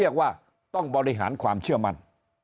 เรียกว่าต้องบริหารความเชื่อมั่น